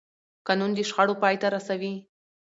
قانون د شخړو پای ته رسوي